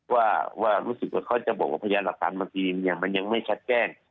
ว่ารู้สึกว่าเขาจะบอกว่าพยานหลักฐานบางทีเนี่ยมันยังไม่ชัดแจ้ง